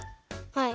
はい。